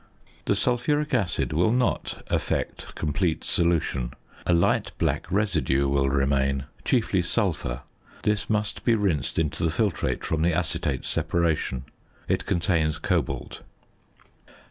The sulphuric acid will not effect complete solution, a light black residue will remain, chiefly sulphur; this must be rinsed into the filtrate from the acetate separation. It contains cobalt.